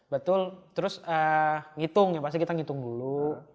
betul terus ngitung yang pasti kita ngitung dulu